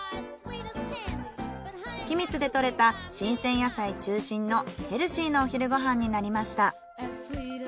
君津で採れた新鮮野菜中心のヘルシーなお昼ご飯になりました。